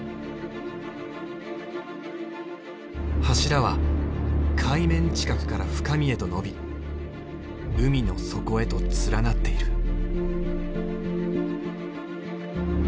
柱は海面近くから深みへと伸び海の底へと連なっている。